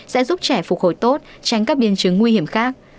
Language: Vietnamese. sẽ giúp trẻ phục hồi tốt tránh các biến chứng nguy hiểm khác